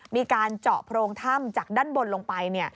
มีการเจาะโพรงถ้ำจากด้านบนลงไป